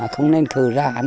không nên cử ra hắn